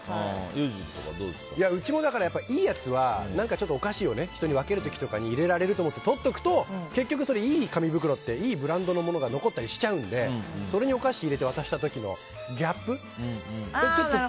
うちはいいやつとかお菓子を人に分ける時とかに入れられるからとっておくと結局いい紙袋っていいブランドのものが残ったりしちゃうんでそれにお菓子入れて渡した時のギャップ。